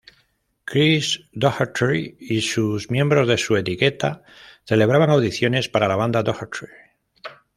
Chris Daughtry y sus miembros de su etiqueta celebraban audiciones para la banda Daughtry.